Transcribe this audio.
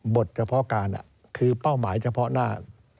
บทเฉพาะการคือเป้าหมายเฉพาะหน้า